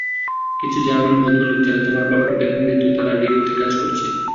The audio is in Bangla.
কিছু জার্মান ভদ্রলোক যারা তোমার বাবাকে বেতন দিত তারা রিওতে কাজ করছে।